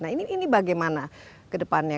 nah ini bagaimana ke depannya